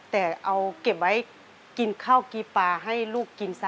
แต่เอาเก็บไว้กินข้าวกินปลาให้ลูกกินซะ